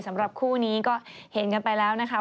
สำหรับคู่นี้ก็เห็นกันไปแล้วนะคะ